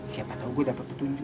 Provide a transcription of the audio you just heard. siapa tau gue dapet petunjuk